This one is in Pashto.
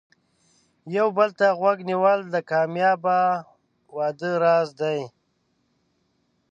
یو بل ته غوږ نیول د کامیاب واده راز دی.